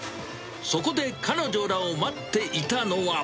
そこで彼女らを待っていたのは。